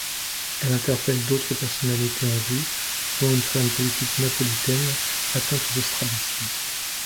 Elle interprète d'autres personnalités en vue, dont une femme politique napolitaine atteinte de strabisme.